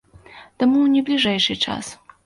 Таму не ў бліжэйшы час.